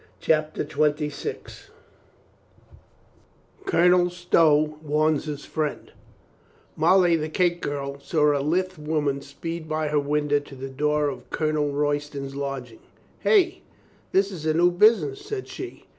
CHAPTER TWENTY SIX COLONEL STOW WARNS HIS FRIEND A /TOLLY, the cake girl, saw a lithe woman ''^^ speed by her window to the door of Colonel Royston's lodging. "Hey! This is a new busi ness," said she.